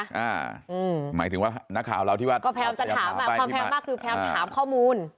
อ่าอืมหมายถึงว่านักข่าวเราที่ว่าก็แพ้จะถามแบบความแพ้มากคือแพ้ถามข้อมูล